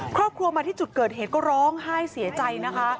ครอบครัวมาที่จุดเกิดเหตุก็ร้องไห้เสียใจนะคะ